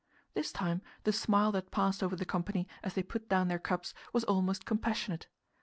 This time the smile that passed over the company, as they put down their cups, was almost compassionate.